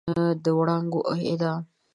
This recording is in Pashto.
د وړانګو اعدام